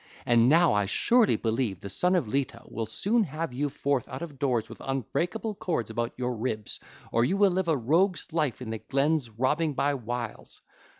And now I surely believe the son of Leto will soon have you forth out of doors with unbreakable cords about your ribs, or you will live a rogue's life in the glens robbing by whiles.